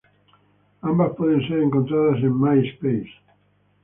Ambas pueden ser encontradas en Myspace.